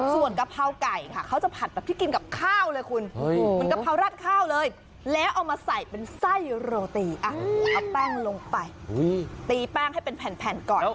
ส่วนกะเพราไก่ค่ะเขาจะผัดแบบที่กินกับข้าวเลยคุณเหมือนกะเพรารัดข้าวเลยแล้วเอามาใส่เป็นไส้โรตีเอาแป้งลงไปตีแป้งให้เป็นแผ่นก่อน